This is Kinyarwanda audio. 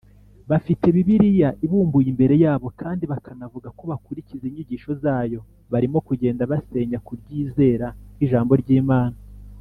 bafite bibiliya ibumbuye imbere yabo kandi bakanavuga ko bakurikiza inyigisho zayo, barimo kugenda basenya kuryizera nk’ijambo ry’imana